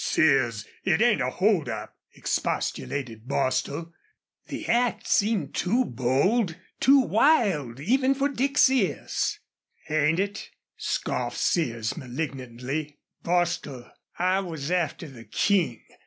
"Sears, it ain't a hold up!" expostulated Bostil. The act seemed too bold, too wild even for Dick Sears. "Ain't it?" scoffed Sears, malignantly. "Bostil, I was after the King.